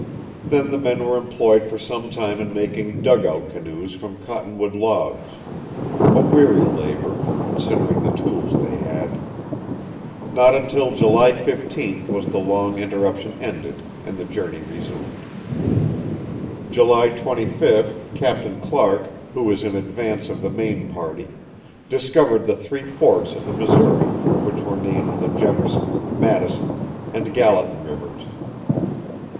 Then the men were employed for some time in making "dugout" canoes from cottonwood logs, a weary labor, considering the tools they had. Not until July 15th was the long interruption ended, and the journey resumed. July 25th Captain Clark, who was in advance of the main party, discovered the three forks of the Missouri, which were named the Jefferson, Madison, and Gallatin rivers.